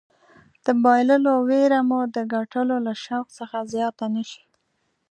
د بایللو ویره مو د ګټلو له شوق څخه زیاته نه شي.